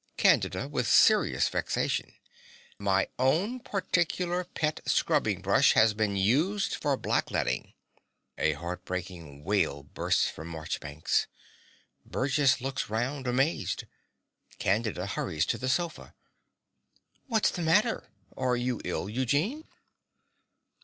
CANDIDA (with serious vexation). My own particular pet scrubbing brush has been used for blackleading. (A heart breaking wail bursts from Marchbanks. Burgess looks round, amazed. Candida hurries to the sofa.) What's the matter? Are you ill, Eugene?